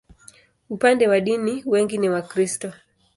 Upande wa dini, wengi ni Wakristo.